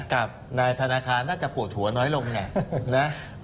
กับนายธนาคารน่าจะปวดหัวน้อยลงไงนะ